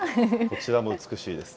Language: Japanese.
こちらも美しいです。